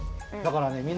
だからね